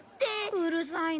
うるさいな！